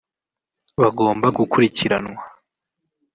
bagomba gukurikiranwa